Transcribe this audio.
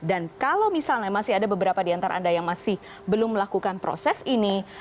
dan kalau misalnya masih ada beberapa di antara anda yang masih belum melakukan proses ini